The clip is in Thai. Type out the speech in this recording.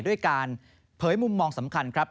ด้วยการเผยมุมมองสำคัญครับ